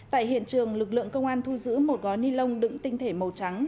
tại hiện trường lực lượng công an thu giữ một gói ni lông đựng tinh thể màu trắng